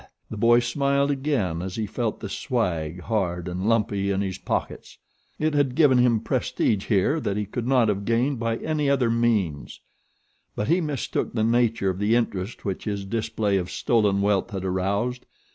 The boy smiled again as he felt the 'swag' hard and lumpy in his pockets. It had given him prestige here that he could not have gained by any other means; but he mistook the nature of the interest which his display of stolen wealth had aroused.